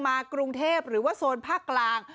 กรุงเทพหรือว่าโซนภาคกลาง